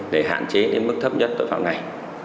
để hạn chế đến mức thấp nhất tội phạm này